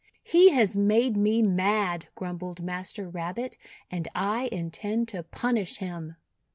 "He has made me mad," grumbled Master Rabbit, "and I intend to punish him."